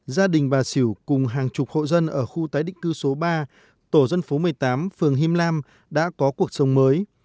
gia đình bà xỉu cùng hàng chục hộ dân ở khu tái định cư số ba tổ dân phố một mươi tám phường him lam đã có cuộc sống mới